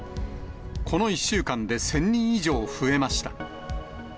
この１週間で１０００人以上増えました。